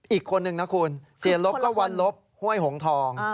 อีกคนนึงนะคุณเสียลบก็วันลบห้วยหงทอง